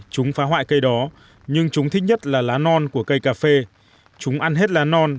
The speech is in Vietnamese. chúng phá hoại cây đó nhưng chúng thích nhất là lá non của cây cà phê chúng ăn hết lá non